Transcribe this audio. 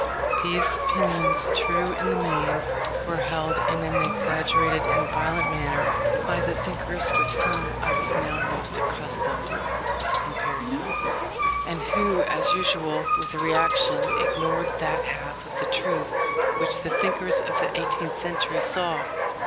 These opinions, true in the main, were held in an exaggerated and violent manner by the thinkers with whom I was now most accustomed to compare notes, and who, as usual with a reaction, ignored that half of the truth which the thinkers of the eighteenth century saw.